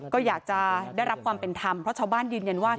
ก็อยากจะได้รับความเป็นธรรมเพราะชาวบ้านยืนยันว่า